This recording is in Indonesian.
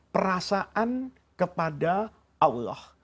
perasaan kepada allah